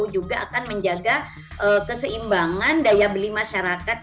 juga akan menjaga keseimbangan daya beli masyarakat